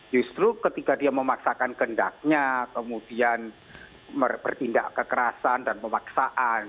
justru ketika dia memaksakan kendaknya kemudian bertindak kekerasan dan pemaksaan